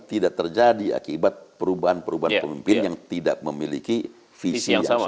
tidak terjadi akibat perubahan perubahan pemimpin yang tidak memiliki visi yang sama